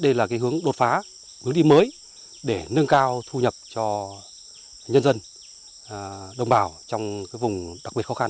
đây là hướng đột phá hướng đi mới để nâng cao thu nhập cho nhân dân đồng bào trong vùng đặc biệt khó khăn